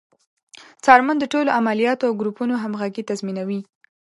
څارمن د ټولو عملیاتو او ګروپونو همغږي تضمینوي.